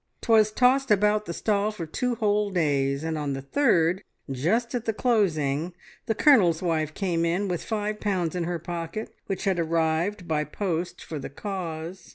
'Twas tossed about the stall for two whole days, and on the third, just at the closing, the Colonel's wife came in with five pounds in her pocket which had arrived by post for the cause.